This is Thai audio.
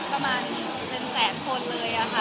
ประมาณเป็นแสนคนเลยค่ะ